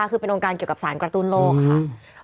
คือเป็นองค์การเกี่ยวกับสารกระตุ้นโลกค่ะ